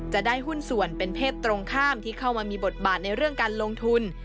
จะได้หุ้นส่วนเป็นเพศตรงข้ามที่เข้ามามีบทบาทในเรื่องการลงทุน